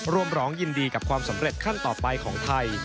ร้องยินดีกับความสำเร็จขั้นต่อไปของไทย